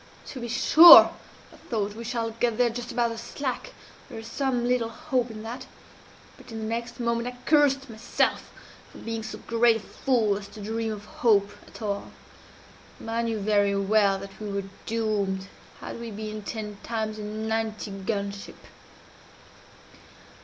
'To be sure,' I thought, 'we shall get there just about the slack there is some little hope in that but in the next moment I cursed myself for being so great a fool as to dream of hope at all. I knew very well that we were doomed, had we been ten times a ninety gun ship.